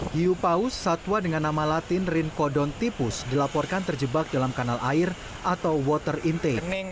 hiu paus satwa dengan nama latin rinkodon tipus dilaporkan terjebak dalam kanal air atau water intain